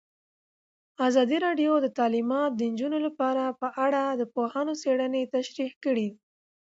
ازادي راډیو د تعلیمات د نجونو لپاره په اړه د پوهانو څېړنې تشریح کړې.